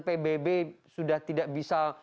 pbb sudah tidak bisa